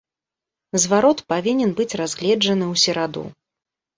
Зварот павінен быць разгледжаны ў сераду.